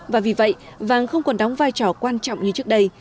và vì vậy vàng không còn đóng vai trò quan trọng như trước đây